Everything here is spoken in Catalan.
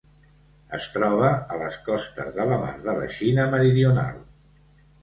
Es troba a les costes de la Mar de la Xina Meridional.